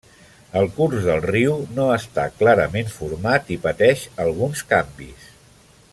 El curs del riu no està clarament format i pateix alguns canvis.